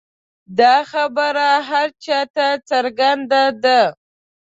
دا خبره هر چا ته څرګنده ده.